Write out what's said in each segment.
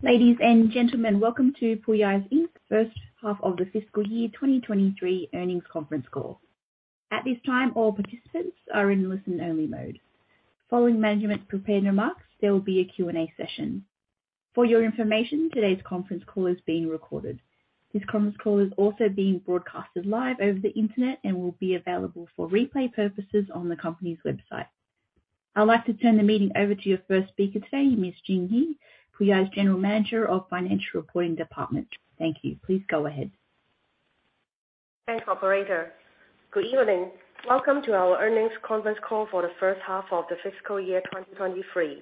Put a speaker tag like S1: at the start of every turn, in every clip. S1: Ladies and gentlemen, welcome to Puyi Inc. first half of the fiscal year 2023 earnings conference call. At this time, all participants are in listen only mode. Following management prepared remarks, there will be a Q&A session. For your information, today's conference call is being recorded. This conference call is also being broadcasted live over the internet and will be available for replay purposes on the company's website. I'd like to turn the meeting over to your first speaker today, Ms. Jing He, Puyi's General Manager of Financial Reporting Department. Thank you. Please go ahead.
S2: Thanks, operator. Good evening. Welcome to our earnings conference call for the first half of the fiscal year 2023.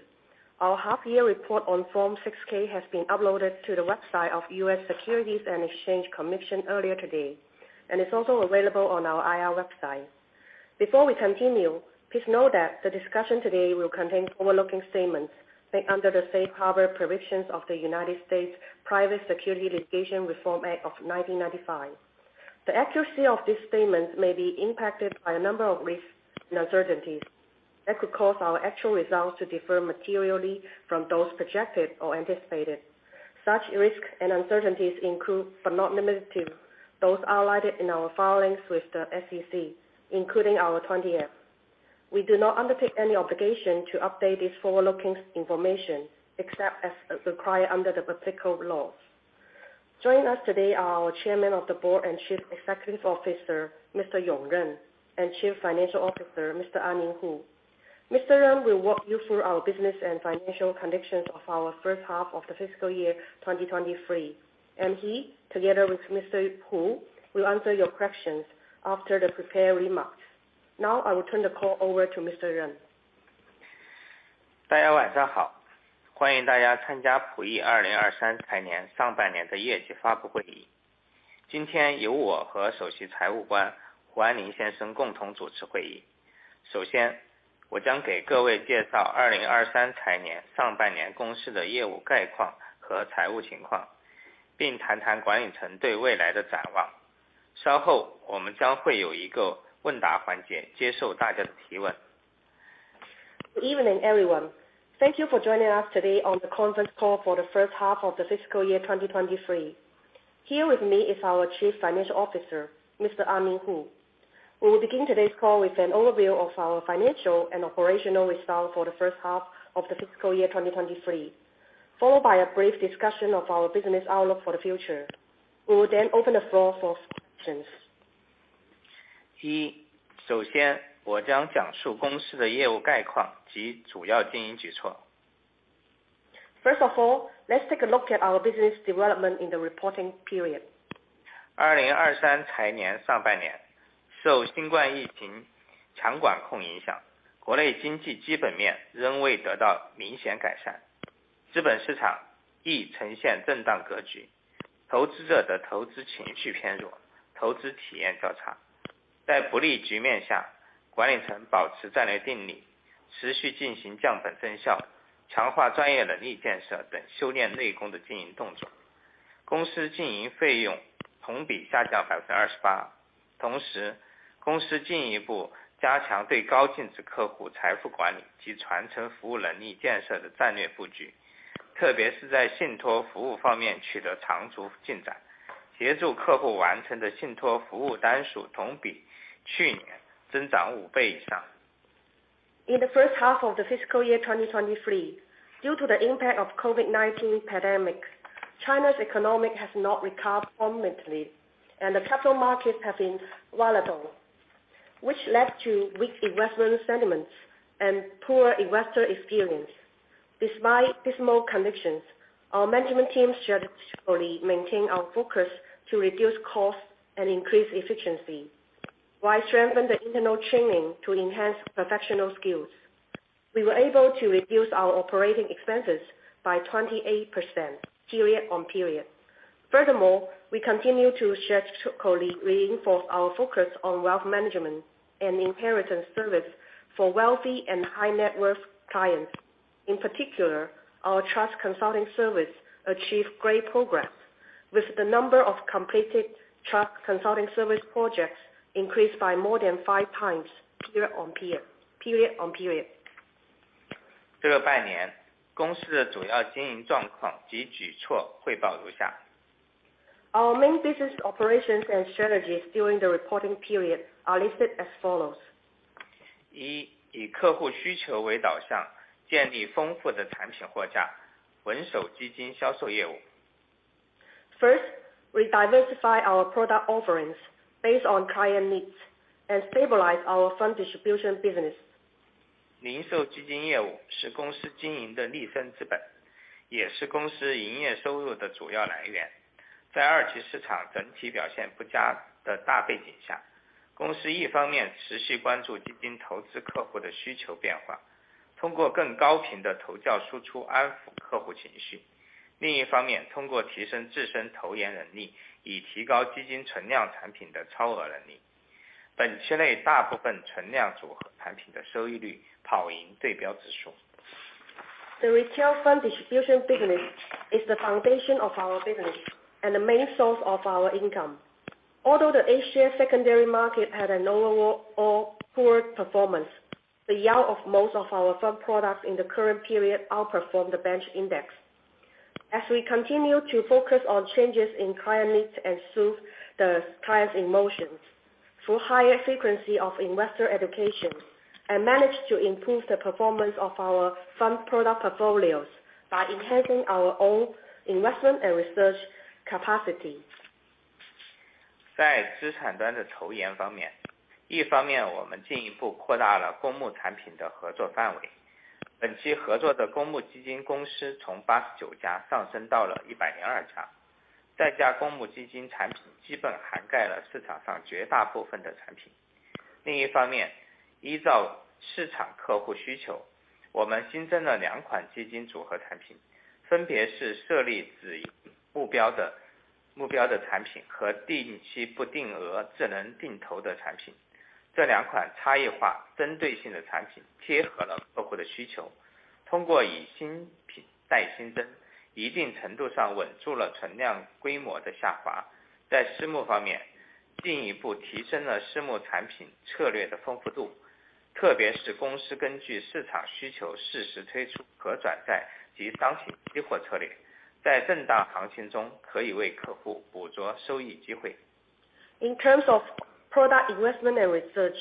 S2: Our half year report on Form 6-K has been uploaded to the website of U.S. Securities and Exchange Commission earlier today. It's also available on our IR website. Before we continue, please note that the discussion today will contain forward-looking statements made under the safe harbor provisions of the United States Private Securities Litigation Reform Act of 1995. The accuracy of these statements may be impacted by a number of risks and uncertainties that could cause our actual results to differ materially from those projected or anticipated. Such risks and uncertainties include, but not limited to, those outlined in our filings with the SEC, including our 20-F. We do not undertake any obligation to update this forward-looking information except as required under the applicable laws. Joining us today are our Chairman of the Board and Chief Executive Officer, Mr. Yong Ren, and Chief Financial Officer, Mr. Anlin Hu. Mr. Ren will walk you through our business and financial conditions of our first half of the fiscal year 2023, and he, together with Mr. Hu, will answer your questions after the prepared remarks. Now I will turn the call over to Mr. Ren.
S3: Good evening, everyone. Thank you for joining us today on the conference call for the first half of the fiscal year 2023. Here with me is our Chief Financial Officer, Mr. Anlin Hu. We will begin today's call with an overview of our financial and operational results for the first half of the fiscal year 2023, followed by a brief discussion of our business outlook for the future. We will then open the floor for questions. First of all, let's take a look at our business development in the reporting period. In the first half of the fiscal year 2023, due to the impact of COVID-19 pandemic, China's economic has not recovered permanently, and the capital markets have been volatile, which led to weak investment sentiments and poor investor experience. Despite dismal conditions, our management team strategically maintain our focus to reduce costs and increase efficiency, while strengthening the internal training to enhance professional skills. We were able to reduce our operating expenses by 28% period on period. Furthermore, we continue to strategically reinforce our focus on wealth management and inheritance service for wealthy and high net worth clients. In particular, our trust consulting service achieved great progress with the number of completed trust consulting service projects increased by more than 5x period on period. Our main business operations and strategies during the reporting period are listed as follows. First, we diversify our product offerings based on client needs and stabilize our fund distribution business. The retail fund distribution business is the foundation of our business and the main source of our income. Although the A-share secondary market had an overall poor performance, the yield of most of our fund products in the current period outperformed the bench index. As we continue to focus on changes in client needs and suit the clients' emotions through higher frequency of investor education, and managed to improve the performance of our fund product portfolios by enhancing our own investment and research capacity. In terms of product investment and research,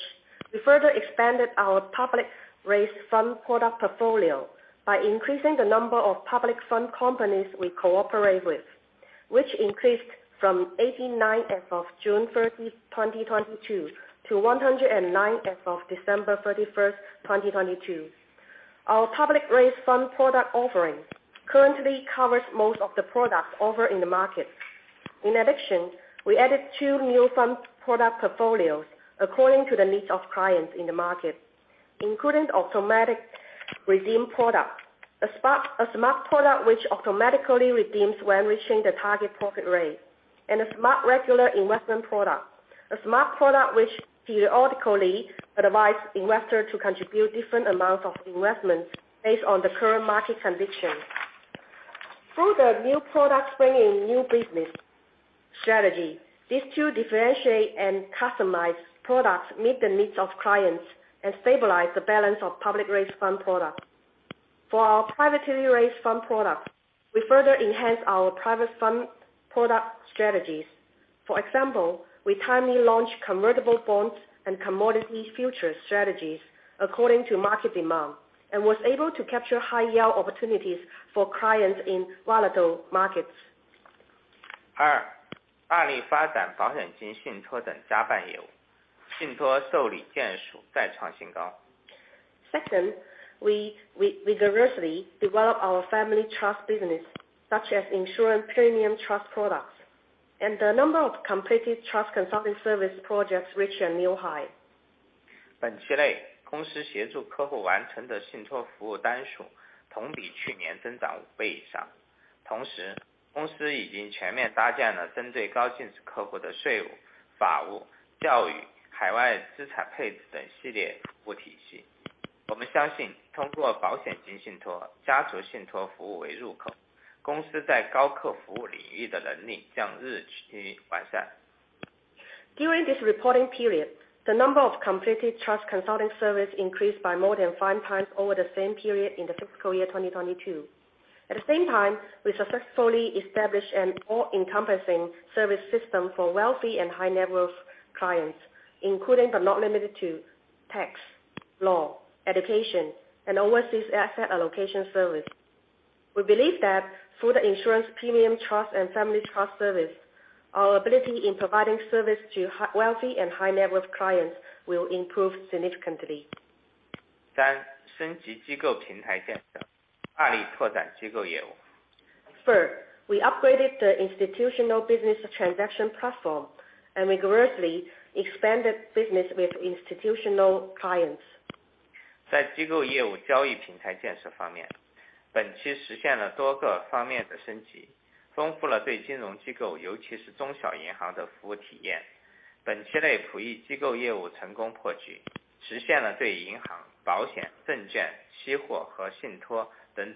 S3: we further expanded our public raised fund product portfolio by increasing the number of public fund companies we cooperate with, which increased from 89 as of June 30, 2022 to 109 as of December 31, 2022. Our public raised fund product offering currently covers most of the products offered in the market. In addition, we added two new fund product portfolios according to the needs of clients in the market, including automatic redemption product, A smart product which automatically redeems when reaching the target profit rate, and a smart regular investment product, a smart product which periodically advise investor to contribute different amounts of investments based on the current market conditions. Through the new products bringing new business strategy, these two differentiate and customized products meet the needs of clients and stabilize the balance of public raised fund product. For our privately raised fund products, we further enhance our private fund product strategies. For example, we timely launch convertible bonds and commodity futures strategies according to market demand, and was able to capture high yield opportunities for clients in volatile markets. Second, we vigorously develop our family trust business, such as insurance premium trust products, and the number of completed trust consulting service projects reached a new high. During this reporting period, the number of completed trust consulting service increased by more than five times over the same period in the fiscal year 2022. At the same time, we successfully established an all-encompassing service system for wealthy and high net worth clients, including but not limited to tax, law, education, and overseas asset allocation service. We believe that through the insurance premium trust and family trust service, our ability in providing service to wealthy and high net worth clients will improve significantly. Fourth, we upgraded the institutional business transaction platform and vigorously expanded business with institutional clients. In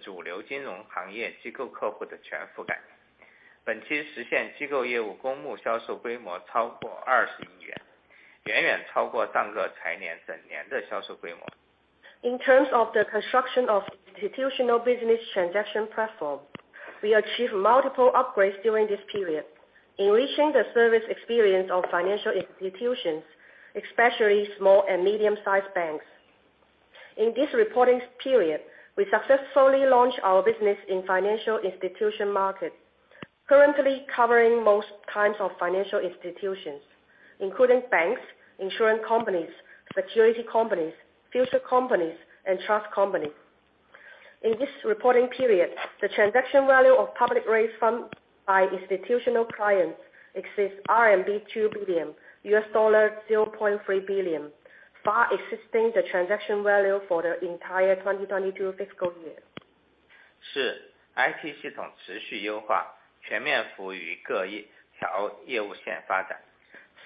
S3: terms of the construction of institutional business transaction platform, we achieved multiple upgrades during this period, enriching the service experience of financial institutions, especially small and medium-sized banks. In this reporting period, we successfully launched our business in financial institution market, currently covering most types of financial institutions, including banks, insurance companies, security companies, future companies, and trust companies. In this reporting period, the transaction value of public raised fund by institutional clients exceeds RMB 2 billion, $0.3 billion, far exceeding the transaction value for the entire 2022 fiscal year.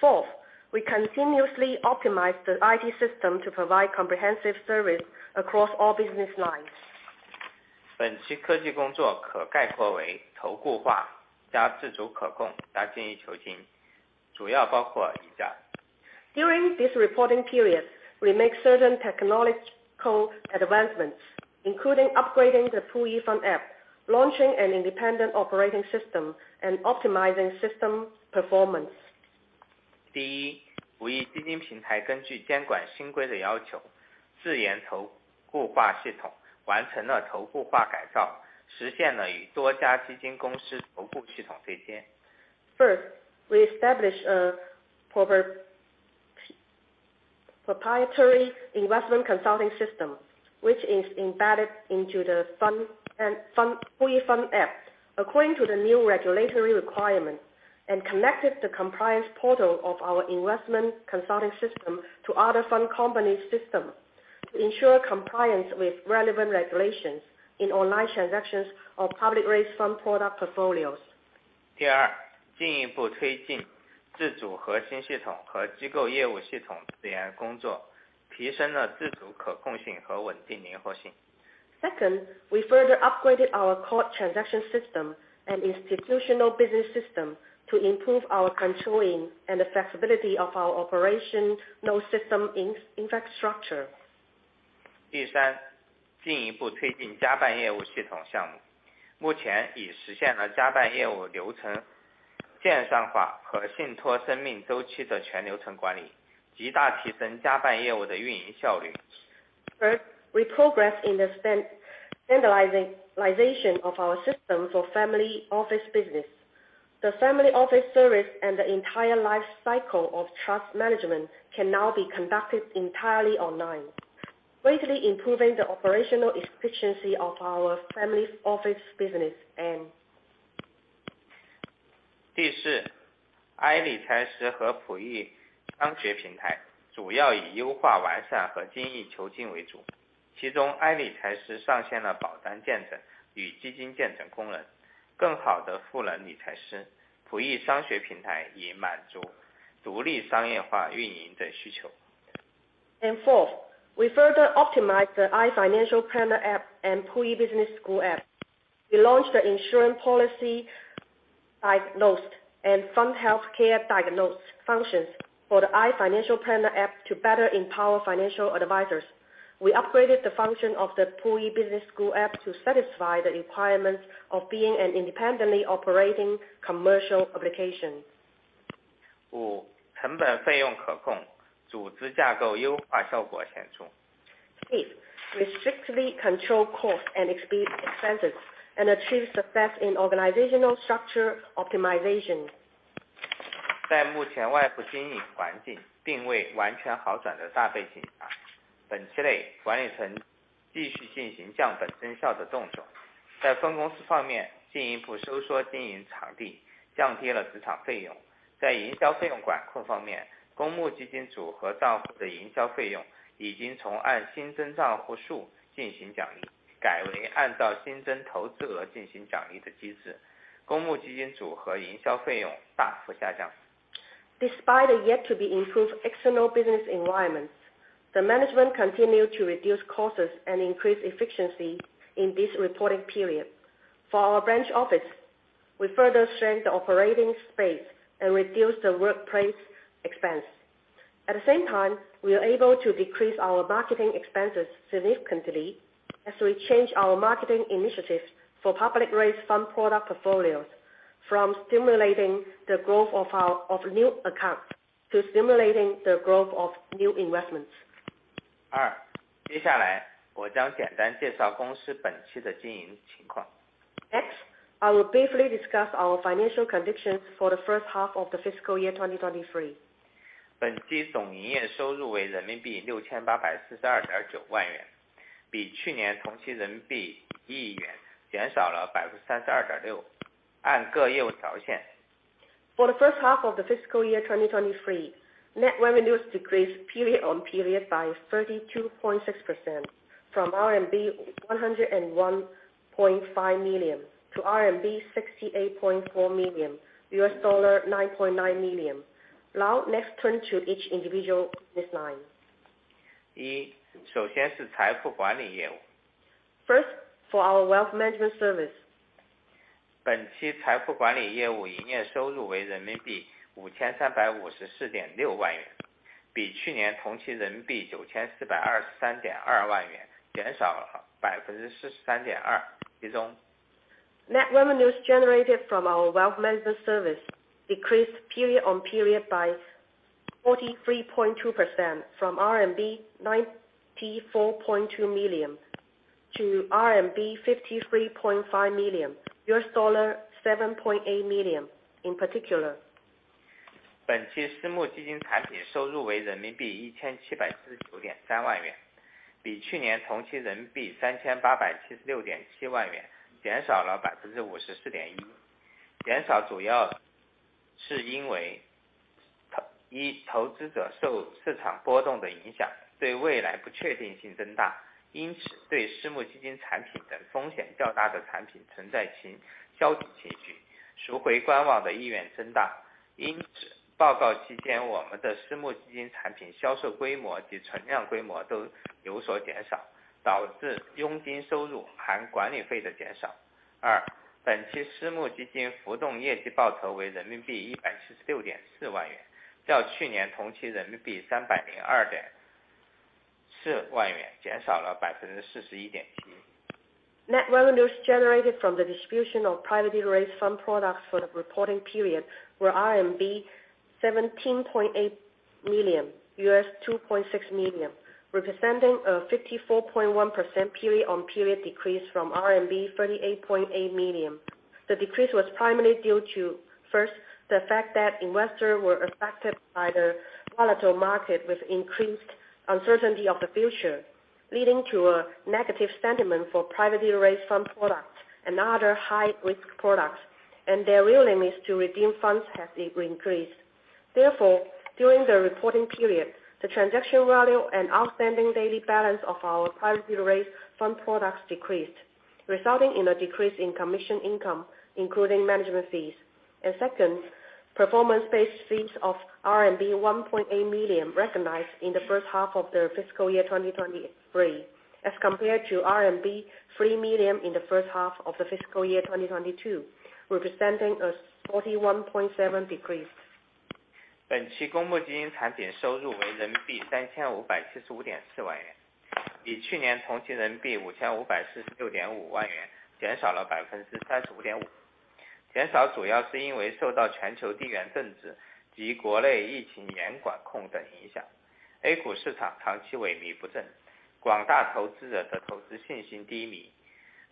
S3: Fourth, we continuously optimize the IT system to provide comprehensive service across all business lines. 本期科技工作可概括为投顾化加自主可 控， 加精益求 精， 主要包括以 下. During this reporting period, we make certain technological advancements, including upgrading the Puyi Fund app, launching an independent operating system and optimizing system performance. 第 一, 浦银基金平台根据监管新规的要 求, 自研投顾化系统完成了投顾化改 造, 实现了与多家基金公司投顾系统对 接. First, we establish a proper proprietary investment consulting system, which is embedded into the fund Puyi Fund app according to the new regulatory requirement and connected the compliance portal of our investment consulting system to other fund companies system to ensure compliance with relevant regulations in online transactions of public raised fund product portfolios. 第 二， 进一步推进自主核心系统和机构业务系统自研工 作， 提升了自主可控性和稳定灵活性的。Second, we further upgraded our core transaction system and institutional business system to improve our controlling and the flexibility of our operational system infrastructure. 第 三， 进一步推进家办业务系统项 目， 目前已实现了家办业务流程线上化和信托生命周期的全流程管 理， 极大提升家办业务的运营效率。Third, we progress in the standardization of our system for family office business. The family office service and the entire life cycle of trust management can now be conducted entirely online, greatly improving the operational efficiency of our family office business and... 第四, AI理财师 和 浦E商学 平台主要以优化完善和精益求精 为主. 其中 AI理财师 上线了保单鉴证与基金鉴证 功能, 更好地赋能 理财师. 浦E商学 平台以满足独立商业化运营的 需求. Fourth, we further optimize the i Financial Planner app and Puyi Business School app. We launched the insurance policy diagnosed and fund healthcare diagnosed functions for the i Financial Planner app to better empower financial advisors. We upgraded the function of the Puyi Business School app to satisfy the requirements of being an independently operating commercial application. 5, 成本费用可 控, 组织架构优化效果显 著. Fifth, we strictly control costs and expenses and achieve success in organizational structure optimization. 在目前外部经营环境并未完全好转的大背景 下， 本期内管理层继续进行降本增效的动作。在分公司方 面， 进一步收缩经营场 地， 降低了职场费用。在营销费用管控方 面， 公募基金组合账户的营销费用已经从按新增账户数进行奖 励， 改为按照新增投资额进行奖励的机制。公募基金组合营销费用大幅下降。Despite yet to be improved external business environment, the management continued to reduce costs and increase efficiency in this reporting period. For our branch office, we further shrank the operating space and reduced the workplace expense. At the same time, we are able to decrease our marketing expenses significantly as we change our marketing initiatives for public raised fund product portfolios from stimulating the growth of our new accounts to stimulating the growth of new investments. 二， 接下来我将简单介绍公司本期的经营情况。I will briefly discuss our financial conditions for the first half of the fiscal year 2023. 本期总营业收入为人民币六千八百四十二点九万元，比去年同期人民币一亿元减少了百分之三十二点六。按各业务条线。For the first half of the fiscal year 2023, net revenues decreased period on period by 32.6% from RMB 101.5 million-RMB 68.4 million $9.9 million. Now let's turn to each individual business line. 一，首先是财富管理业务。First, for our wealth management service. 本期财富管理业务营业收入为 RMB 53.546 million, 比去年同期 RMB 94.232 million 减少了 43.2%. 其 中. Net revenues generated from our wealth management service decreased period on period by 43.2% from RMB 94.2 million-RMB 53.5 million $7.8 million in particular. 本期私募基金产品收入为人民币一千七百四十九点三万 元， 比去年同期人民币三千八百七十六点七万元减少了百分之五十四点一。减少主要是因为 投， 一投资者受市场波动的影响，对未来不确定性增 大， 因此对私募基金产品的风险较大的产品存在消极情绪。赎回官网的意愿增大。因 此， 报告期 间， 我们的私募基金产品销售规模及存量规模都有所减 少， 导致佣金收入含管理费的减少。二， 本期私募基金浮动业绩报酬为人民币一百七十六点四万 元， 较去年同期人民币三百零二点四万元减少了百分之四十一点七。Net revenues generated from the distribution of privately raised fund products for the reporting period were RMB 17.8 million, $2.6 million, representing a 54.1% period-on-period decrease from RMB 38.8 million. The decrease was primarily due to, first, the fact that investors were affected by the volatile market with increased uncertainty of the future, leading to a negative sentiment for privately raised fund products and other high risk products, and their willingness to redeem funds has increased. Therefore, during the reporting period, the transaction value and outstanding daily balance of our privately raised fund products decreased, resulting in a decrease in commission income including management fees. Second, performance based fees of RMB 1.8 million recognized in the first half of the fiscal year 2023 as compared to RMB 3 million in the first half of the fiscal year 2022, representing a 41.7% decrease. 本期公募基金产品收入为人民币三千五百七十五点四万 元， 比去年同期人民币五千五百四十六点五万元减少了百分之三十五点五。减少主要是因为受到全球地缘政治及国内疫情严管控的影 响， A 股市场长期萎靡不 振， 广大投资者的投资信心低 迷，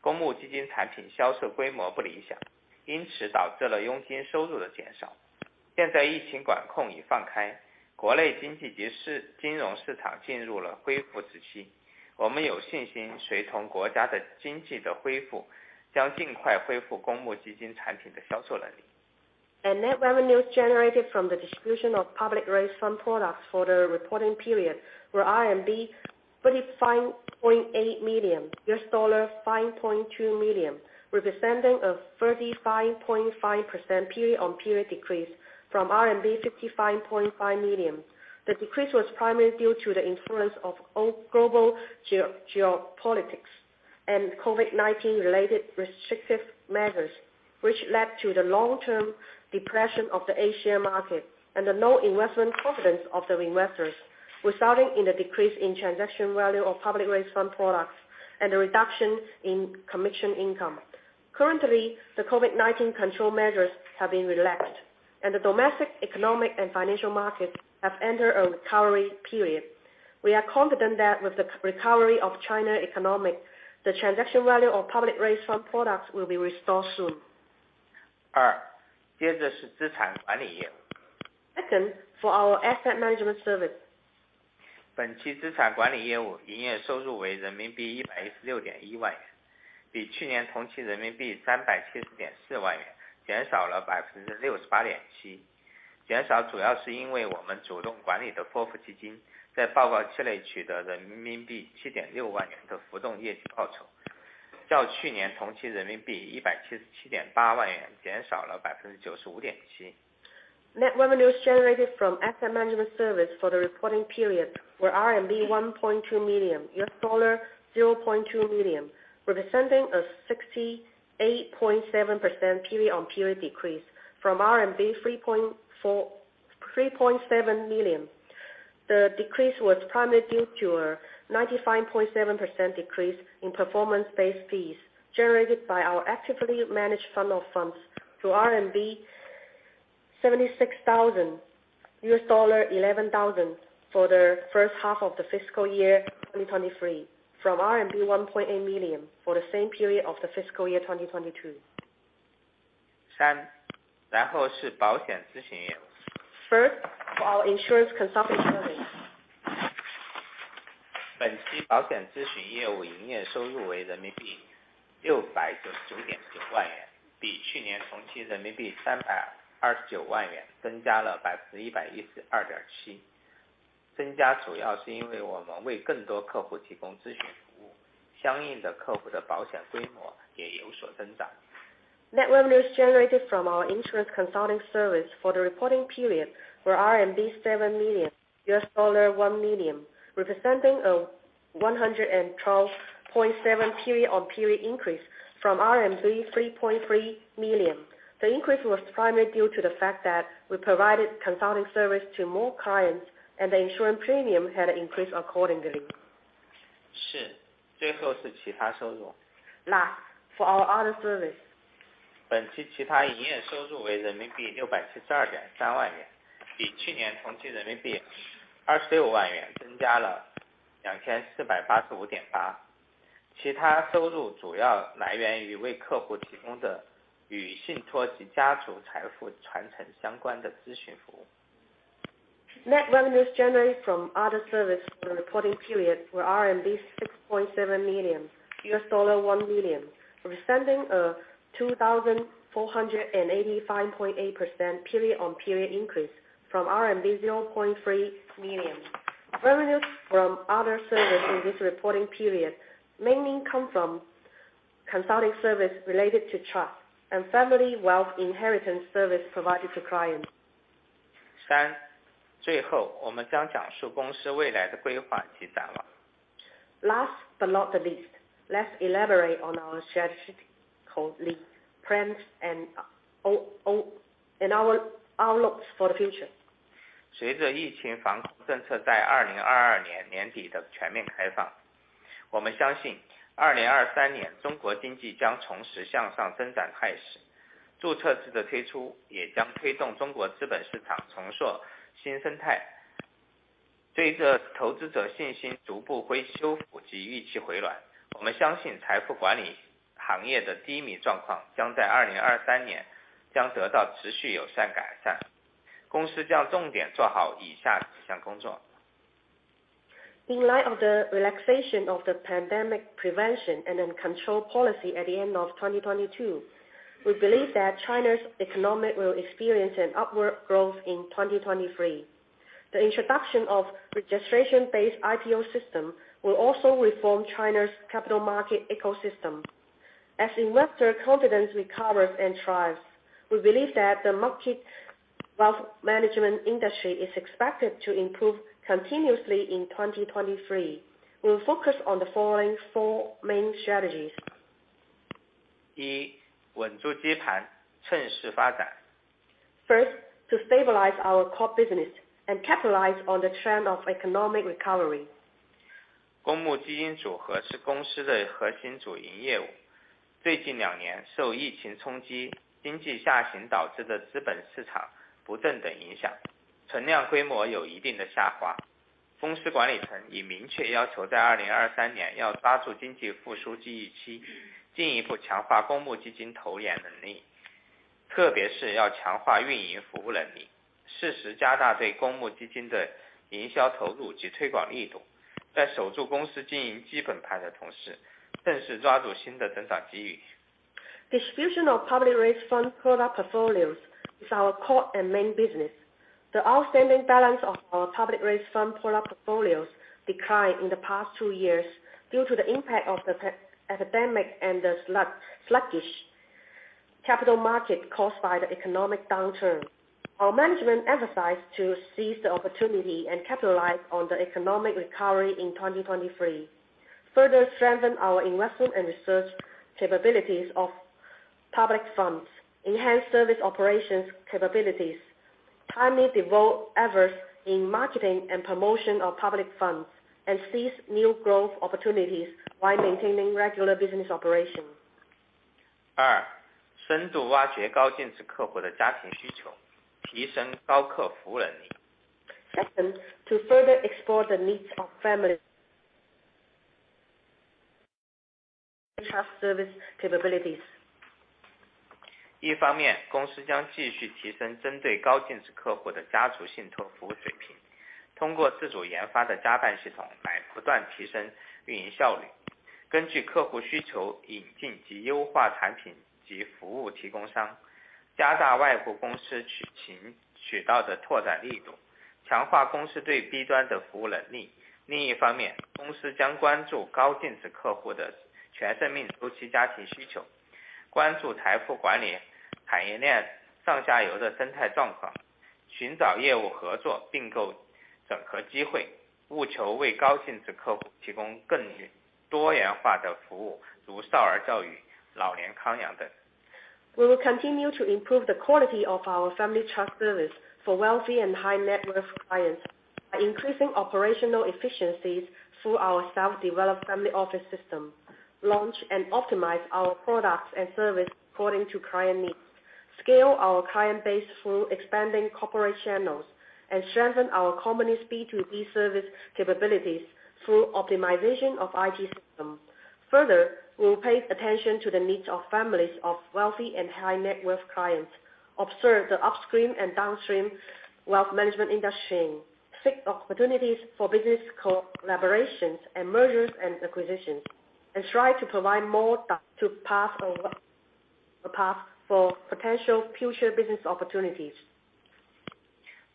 S3: 公募基金产品销售规模不理 想， 因此导致了佣金收入的减少。现在疫情管控已放 开， 国内经济及 市， 金融市场进入了恢复时 期， 我们有信心随同国家的经济的恢复，将尽快恢复公募基金产品的销售能力。Net revenues generated from the distribution of public raised fund products for the reporting period were RMB 35.8 million, $5.2 million, representing a 35.5% period-on-period decrease from RMB 55.5 million. The decrease was primarily due to the influence of global geopolitics and COVID-19 related restrictive measures, which led to the long-term depression of the A-share market and the low investment confidence of the investors, resulting in a decrease in transaction value of public raised fund products and a reduction in commission income. Currently, the COVID-19 control measures have been relaxed and the domestic economic and financial markets have entered a recovery period. We are confident that with the recovery of China economic, the transaction value of public raised fund products will be restored soon. 二， 接着是资产管理业务。Second, for our asset management service. 本期资产管理业务营业收入为人民币一百一十六点一万 元， 比去年同期人民币三百七十点四万元减少了百分之六十八点七。减少主要是因为我们主动管理的富富基金在报告期内取得人民币七点六万元的浮动业绩报 酬， 较去年同期人民币一百七十七点八万元减少了百分之九十五点七。Net revenues generated from asset management service for the reporting period were RMB 1.2 million, $0.2 million, representing a 68.7% period on period decrease from RMB 3.7 million. The decrease was primarily due to a 95.7% decrease in performance based fees generated by our actively managed fund of funds to RMB 76,000, $11,000 for the first half of the fiscal year 2023 from RMB 1.8 million for the same period of the fiscal year 2022. 三， 然后是保险咨询业务。First, for our insurance consulting service. 本期保险咨询业务营业收入为人民币六百九十九点零万 元， 比去年同期人民币三百二十九万元增加了百分之一百一十二点七。增加主要是因为我们为更多客户提供咨询服 务， 相应的客户的保险规模也有所增长。Net revenues generated from our insurance consulting service for the reporting period were RMB 7 million, $1 million, representing a 112.7% period-on-period increase from RMB 3.3 million. The increase was primarily due to the fact that we provided consulting service to more clients and the insurance premium had increased accordingly. 是. 最后是其他收 入. Last, for our other service. 本期其他营业收入为人民币六百七十二点三万 元， 比去年同期人民币二十六万元增加了两千四百八十五点八。其他收入主要来源于为客户提供的与信托及家族财富传承相关的咨询服务。Net revenues generated from other service for the reporting period were RMB 6.7 million, $1 million, representing a 2,485.8% period-on-period increase from RMB 0.3 million. Revenue from other services in this reporting period mainly come from consulting service related to trust and family wealth inheritance service provided to clients. 三， 最后我们将讲述公司未来的规划及展望。Last but not the least, let's elaborate on our strategic plans and our outlooks for the future. 随着疫情防控政策在2022年年底的全面开 放， 我们相信2023年中国经济将从实向上增长态势。注册制的推出也将推动中国资本市场重塑新生态。随着投资者信心逐步恢复及预期回 暖， 我们相信财富管理行业的低迷状况将在2023年将得到持续改善。公司将重点做好以下几项工作。In light of the relaxation of the pandemic prevention and control policy at the end of 2022, we believe that China's economic will experience an upward growth in 2023. The introduction of registration-based IPO system will also reform China's capital market ecosystem. As investor confidence recovers and thrives, we believe that the market wealth management industry is expected to improve continuously in 2023. We will focus on the following four main strategies. 一， 稳住接 盘， 趁势发展。First, to stabilize our core business and capitalize on the trend of economic recovery. 公募基金组合是公司的核心主营业 务. 最近两年受 COVID-19 冲 击, 经济下行导致的资本市场不正等影 响, 存量规模有一定的下 滑. 公司管理层已明确要求在2023年要抓住经济复苏机遇 期, 进一步强化公募基金投研能 力, 特别是要强化运营服务能 力, 适时加大对公募基金的营销投入及推广力 度. 在守住公司经营基本盘的同 时, 更是抓住新的增长机 遇. Distribution of public raised fund product portfolios is our core and main business. The outstanding balance of our public raised fund product portfolios declined in the past 2 years due to the impact of the epidemic and the sluggish capital market caused by the economic downturn. Our management emphasized to seize the opportunity and capitalize on the economic recovery in 2023. Further strengthen our investment and research capabilities of public funds, enhance service operations capabilities, timely devote efforts in marketing and promotion of public funds, and seize new growth opportunities while maintaining regular business operations. 二， 深度挖掘高净值客户的家庭需 求， 提升高客服务能力。Second, to further explore the needs of families... trust service capabilities. 一方 面， 公司将继续提升针对高净值客户的家族信托服务水 平， 通过自主研发的家办系统来不断提升运营效 率， 根据客户需求引进及优化产品及服务提供 商， 加大外部公司取 勤， 渠道的拓展力 度， 强化公司对 B 端的服务能力。另一方 面， 公司将关注高净值客户的全生命周期家庭需 求， 关注财富管理产业链上下游的生态状 况， 寻找业务合作、并购整合机 会， 务求为高净值客户提供更具多元化的服 务， 如少儿教育、老年康养等。We will continue to improve the quality of our family trust service for wealthy and high-net-worth clients by increasing operational efficiencies through our self-developed family office system. Launch and optimize our products and service according to client needs. Scale our client base through expanding corporate channels, and strengthen our company's B2B service capabilities through optimization of IT system. Further, we will pay attention to the needs of families of wealthy and high-net-worth clients. Observe the upstream and downstream wealth management industry, seek opportunities for business collaborations and mergers and acquisitions, and try to provide more a path for potential future business opportunities.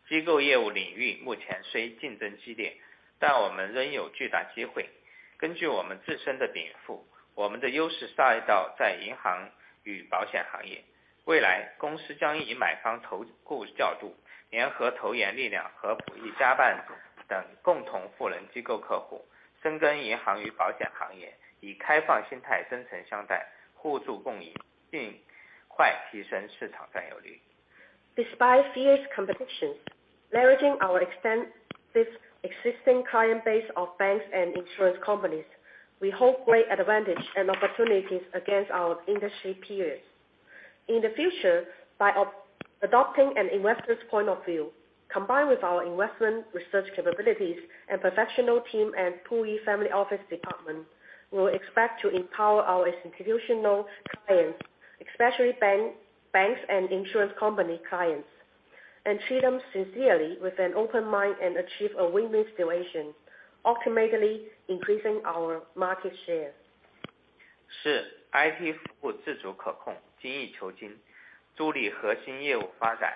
S3: 机构业务领域目前虽竞争激 烈， 但我们仍有巨大机会。根据我们自身的禀 赋， 我们的优势撒一刀在银行与保险行业。未 来， 公司将以买方投顾调 度， 联合投研力量和普益家办等共同富能机构客 户， 深耕银行与保险行 业， 以开放心态真诚相 待， 互助共 赢， 并快提升市场占有率。Despite fierce competition, leveraging our extensive existing client base of banks and insurance companies, we hold great advantage and opportunities against our industry peers. In the future, by adopting an investor's point of view, combined with our investment research capabilities and professional team at Puyi Family Office department, we will expect to empower our institutional clients, especially banks and insurance company clients, and treat them sincerely with an open mind and achieve a win-win situation, ultimately increasing our market share. 是 IT 服务自主可 控， 精益求 精， 助力核心业务发展。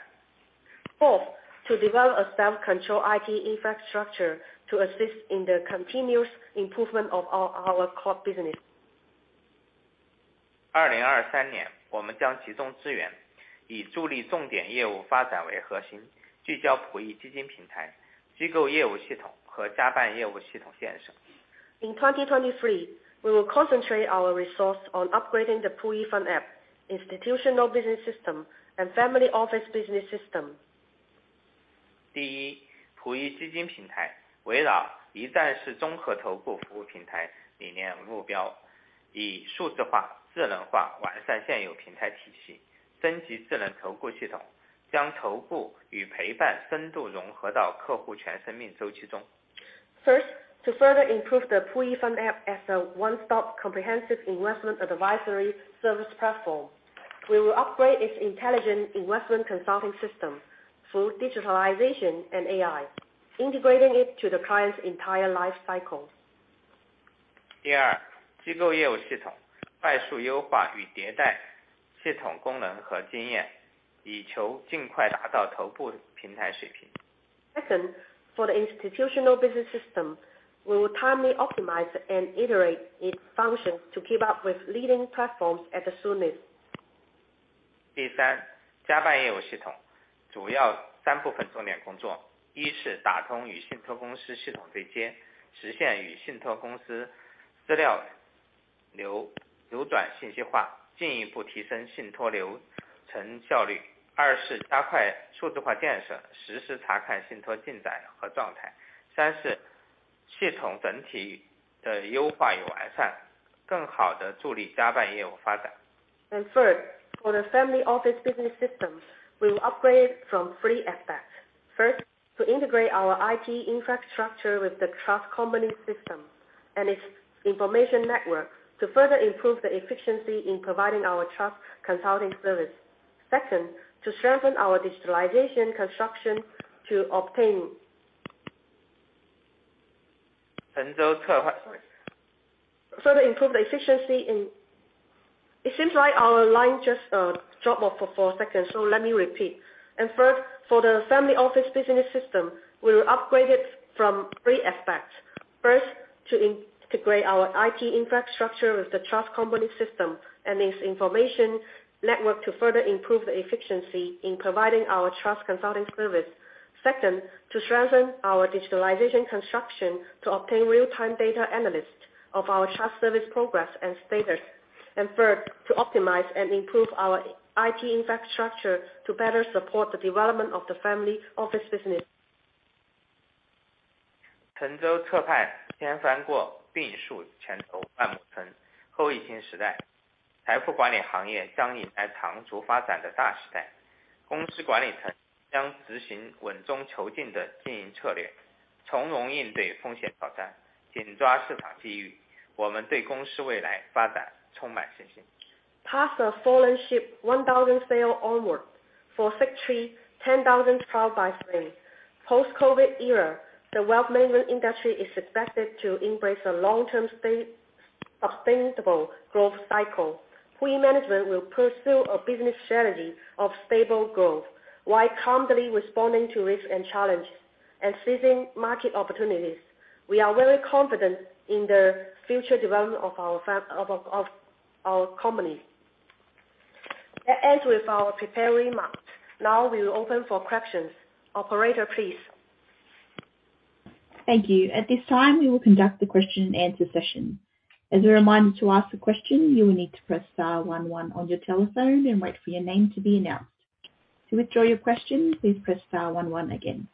S3: Fourth, to develop a self-control IT infrastructure to assist in the continuous improvement of our core business. 2023 年， 我们将集中资 源， 以助力重点业务发展为核 心， 聚焦浦银基金平台、机构业务系统和家办业务系统建设。In 2023, we will concentrate our resource on upgrading the Puyi Fund app, institutional business system and family office business system. 第 一， 浦银基金平台围绕一站式综合投顾服务平台理念目 标， 以数字化、智能化完善现有平台体 系， 升级智能投顾系 统， 将投顾与陪伴深度融合到客户全生命周期中。First, to further improve the Puyi Fund app as a one-stop comprehensive investment advisory service platform, we will upgrade its intelligent investment consulting system through digitalization and AI, integrating it to the client's entire life cycle. 第 二， 机构业务系统快速优化与迭代系统功能和经 验， 以求尽快达到头部平台水平。Second, for the institutional business system, we will timely optimize and iterate its functions to keep up with leading platforms as soon as. 第 三， 家办业务系统主要三部分重点工 作. 一是打通与信托公司系统对 接， 实现与信托公司资料 流， 流转信息 化， 进一步提升信托流程效 率. 二是加快数字化建 设， 实时查看信托进展和状 态. 三是系统整体的优化与完 善， 更好地助力家办业务发 展. Third, for the family office business systems, we will upgrade from 3 aspects. First, to integrate our IT infrastructure with the trust company system and its information network to further improve the efficiency in providing our trust consulting service. Second, to strengthen our digitalization construction. 沉舟侧 To further improve the efficiency in. It seems like our line just dropped off for 4 seconds, so let me repeat. Third, for the family office business system, we will upgrade it from 3 aspects. First, to integrate our IT infrastructure with the trust company system and its information network to further improve the efficiency in providing our trust consulting service. Second, to strengthen our digitalization construction to obtain real-time data analyst of our trust service progress and status. Third, to optimize and improve our IT infrastructure to better support the development of the family office business. 沉舟侧畔千帆 过， 病树前头万木春。后疫情时 代， 财富管理行业将迎来长足发展的大时 代， 公司管理层将执行稳中求进的经营策 略， 从容应对风险挑 战， 紧抓市场机遇。我们对公司未来发展充满信心。Pass a fallen ship, one thousand sail onward. For victory, ten thousand trial by flame. Post-COVID era, the wealth management industry is expected to embrace a long-term sustainable growth cycle. Puyi management will pursue a business strategy of stable growth while calmly responding to risk and challenge and seizing market opportunities. We are very confident in the future development of our company. That ends with our prepared remarks. Now we are open for questions. Operator, please.
S1: Thank you. At this time, we will conduct the question and answer session. As a reminder, to ask a question, you will need to press star one one on your telephone and wait for your name to be announced. To withdraw your question, please press star one one again.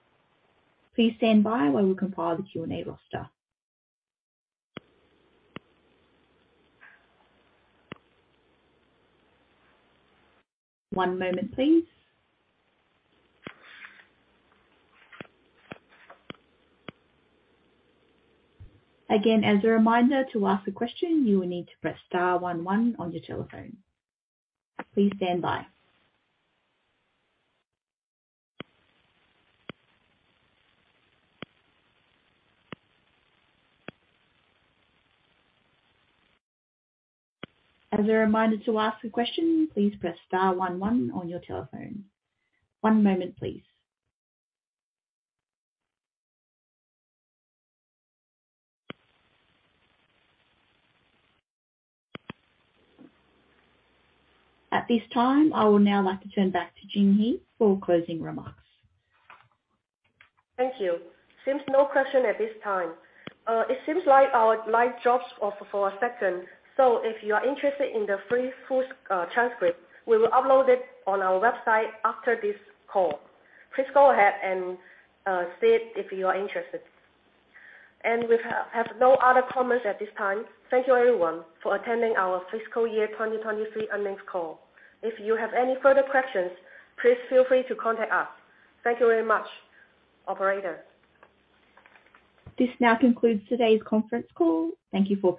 S1: Please stand by while we compile the Q&A roster. One moment, please. Again, as a reminder to ask a question, you will need to press star one one on your telephone. Please stand by. As a reminder to ask a question, please press star one one on your telephone. One moment, please. At this time, I would now like to turn back to Jing He for closing remarks.
S2: Thank you. Seems no question at this time. It seems like our line drops of for a second. If you are interested in the free full transcript, we will upload it on our website after this call. Please go ahead and see it if you are interested. We have no other comments at this time. Thank you everyone for attending our fiscal year 2023 earnings call. If you have any further questions, please feel free to contact us. Thank you very much. Operator.
S1: This now concludes today's conference call. Thank you for participating.